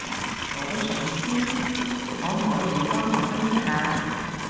我都想知，可摸耳幫我分析下